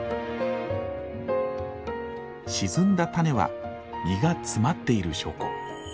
沈んだ種は実が詰まっている証拠。